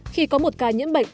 khi có một ca nhiễm bệnh